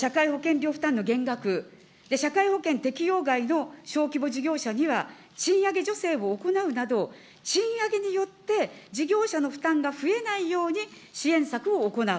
中小企業への社会保険料負担の減額、社会保険適用外の小規模事業者には、賃上げ助成を行うなど、賃上げによって事業者の負担が増えないように支援策を行う。